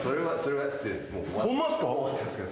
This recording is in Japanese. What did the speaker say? ホンマっすか？